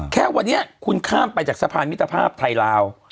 แค่วันนี้คุณข้ามไปจากสะพานมิตรภาพไทยลาว